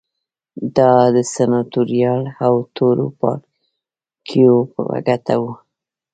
دا د سناتوریال او نورو پاړوکیو په ګټه وه